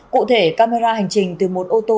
cụ thể camera hành trình từ một ô tô